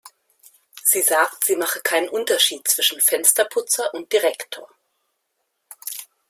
Sie sagt, sie mache keinen Unterschied zwischen Fensterputzer und Direktor.